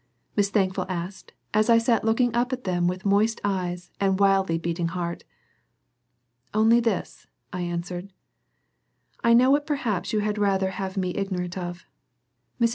Miss Thankful asked as I sat looking up at them with moist eyes and wildly beating heart. "Only this," I answered. "I know what perhaps you had rather have had me ignorant of. Mrs.